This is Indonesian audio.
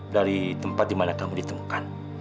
dari tempat dimana kamu ditemukan